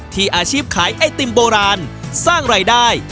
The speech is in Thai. อาชีพขายไอติมโบราณสร้างรายได้